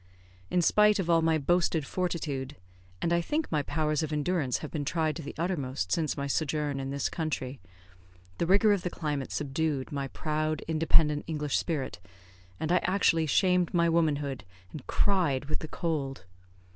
In spite of all my boasted fortitude and I think my powers of endurance have been tried to the uttermost since my sojourn in this country the rigour of the climate subdued my proud, independent English spirit, and I actually shamed my womanhood and cried with the cold.